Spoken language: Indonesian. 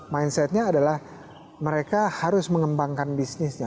mindset nya adalah mereka harus mengembangkan bisnisnya